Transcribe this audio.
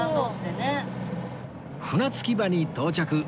船着き場に到着